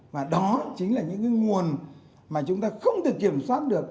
và đó chính là những cái nguồn mà chúng ta không thể kiểm soát được